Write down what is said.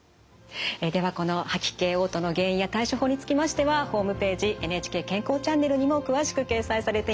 ではこの吐き気・おう吐の原因や対処法につきましてはホームページ「ＮＨＫ健康チャンネル」にも詳しく掲載されています。